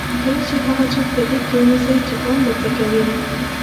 کله چې هغه څوک په غېږ ونیسئ چې پام درته کوي.